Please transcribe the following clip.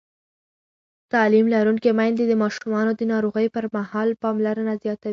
تعلیم لرونکې میندې د ماشومانو د ناروغۍ پر مهال پاملرنه زیاتوي.